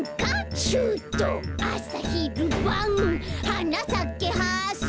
「はなさけハス」